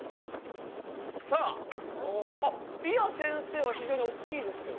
さああっりあせんせいは非常におっきいですよね。